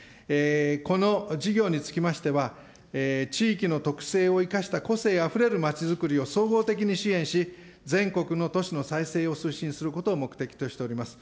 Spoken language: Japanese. この事業につきましては、地域の特性を生かした個性あふれるまちづくりを総合的に支援し、全国の都市の再生を推進することを目的としております。